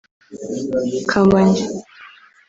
Kamonyi